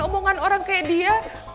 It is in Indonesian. omongan orang kayak dia